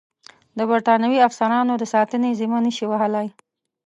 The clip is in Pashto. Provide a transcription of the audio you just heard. د برټانوي افسرانو د ساتنې ذمه نه شي وهلای.